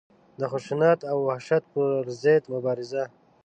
د خشونت او وحشت پر ضد مبارزه.